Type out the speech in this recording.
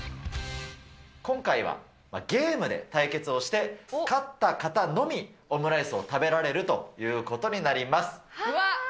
今回は、ゲームで対決をして、勝った方のみ、オムライスを食べられるということになります。